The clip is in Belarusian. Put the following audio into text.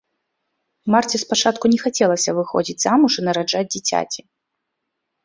Марце спачатку не хацелася выходзіць замуж і нараджаць дзіцяці.